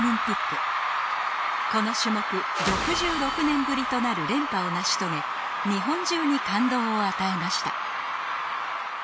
この種目６６年ぶりとなる連覇を成し遂げ日本中に感動を与えました